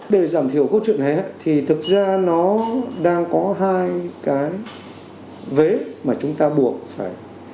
để giảm thiểu câu chuyện này thì thực ra nó đang có hai cái vế mà chúng ta buộc phải